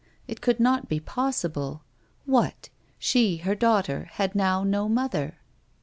It could not be possible ! What ! She, her daughter, had now no mother